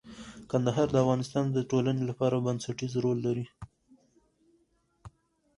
کندهار د افغانستان د ټولنې لپاره بنسټيز رول لري.